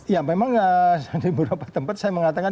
ya memang di beberapa tempat saya mengatakan